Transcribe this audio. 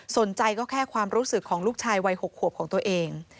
สนใจก็แค่ความรู้สึกของลูกชายวัย๖ขวบของตัวเอง